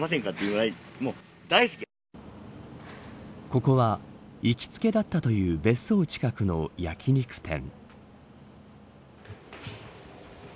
ここは行きつけだったという別荘近くの焼き肉店。